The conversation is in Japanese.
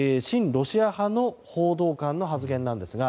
ロシア派の報道官の発言なんですが